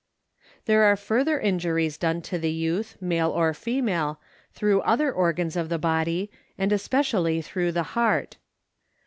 There are further injuries done to the youth, male or female, through other organs of the body and especially through the heart.